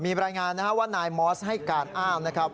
มีบรรยายงานว่านายมอร์สให้การอ้านนะครับ